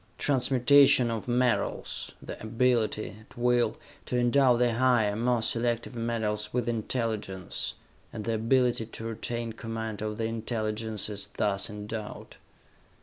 Transmutation of metals ... the ability, at will, to endow the higher, more selective metals with intelligence ... and the ability to retain command of the intelligences thus endowed.